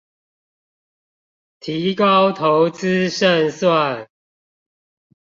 提高投資勝算